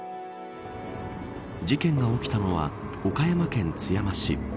事件が起きたのは岡山県津山市。